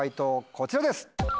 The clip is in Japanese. こちらです。